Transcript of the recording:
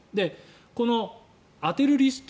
この当てるリスト